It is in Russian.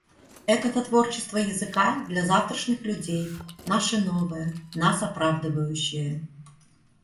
Это-то творчество языка для завтрашних людей — наше новое, нас оправдывающее.